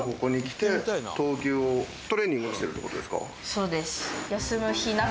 そうです。